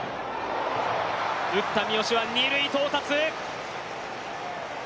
打った三好は二塁到達。